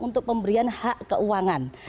untuk pemberian hak keuangan